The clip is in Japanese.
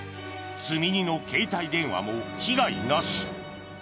［積み荷の携帯電話も被害なし］